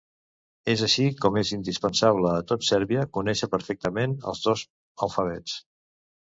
És així com és indispensable a tot Sèrbia conèixer perfectament els dos alfabets.